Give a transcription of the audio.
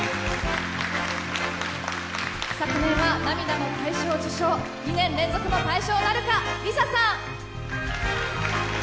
昨年は涙の大賞受賞、２年連続の大賞なるかＬｉＳＡさん。